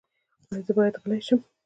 ایا زه باید غلی شم؟